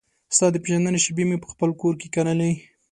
ستا د پیژندنې شیبې مې پخپل کور کې کرلې